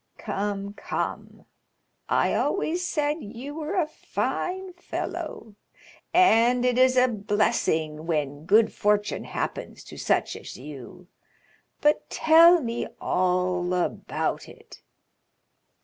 "Come, come; I always said you were a fine fellow, and it is a blessing when good fortune happens to such as you. But tell me all about it?"